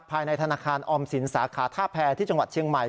ภายในธนาคารออมสินสาขาท่าแพรที่จังหวัดเชียงใหม่